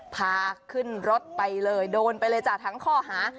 พาขึ้นรถไปเลยโดนไปเลยจ้ะทั้งข้อหา